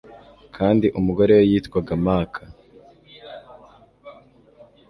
kandi umugore we yitwaga Maka